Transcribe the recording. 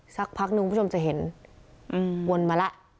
สักพักนึงคุณผู้ชมจะเห็นวนมาแล้ว